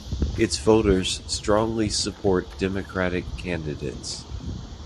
Its voters strongly support Democratic candidates.